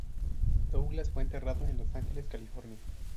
Douglas fue enterrado en el en Los Ángeles, California.